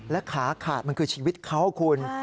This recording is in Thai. ขาขาดมันคือชีวิตเขาคุณ